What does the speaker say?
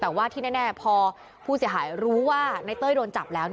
แต่ว่าที่แน่พอผู้เสียหายรู้ว่าในเต้ยโดนจับแล้ว